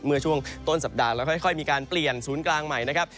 เมื่อช่วงต้นสัปดาห์แล้วค่อยมีการเปลี่ยนศูนย์กลางใหม่นะครับ